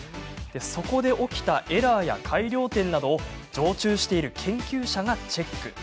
そこで起きたエラーや改良点などを常駐している研究者がチェック。